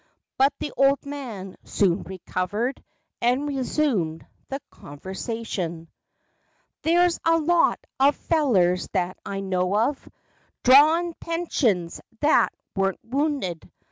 But the old man soon recovered, And resumed the conversation : "There's lots of fellers that I know of, Drawin' pensions, that weren't wounded.